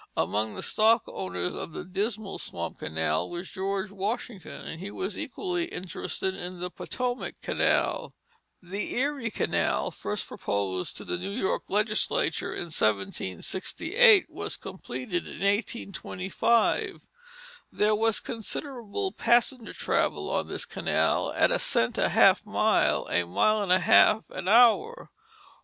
Among the stock owners of the Dismal Swamp Canal was George Washington, and he was equally interested in the Potomac Canal. The Erie Canal, first proposed to the New York legislature in 1768, was completed in 1825. There was considerable passenger travel on this canal at "a cent and a half a mile, a mile and a half an hour."